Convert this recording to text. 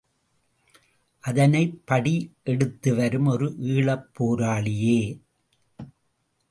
அதனைப் படி எடுத்தவரும் ஒரு ஈழப் போராளியே.